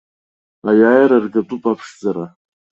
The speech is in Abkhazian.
Аиааира аргатәуп аԥшӡара.